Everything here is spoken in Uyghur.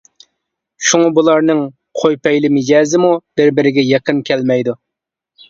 شۇڭا بۇلارنىڭ خۇي پەيلى مىجەزىمۇ بىر-بىرىگە يېقىن كەلمەيدۇ.